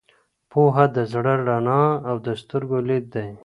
پوهه د زړه رڼا او د سترګو لید دی.